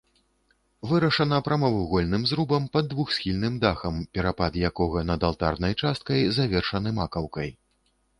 Вырашана прамавугольным зрубам пад двухсхільным дахам, перапад якога над алтарнай часткай завершаны макаўкай.